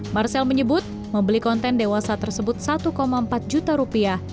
marcel menyebut membeli konten dewasa tersebut satu empat juta rupiah